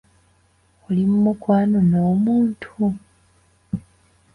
Oli mu mukwano n'omuntu?